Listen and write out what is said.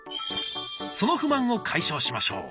その不満を解消しましょう。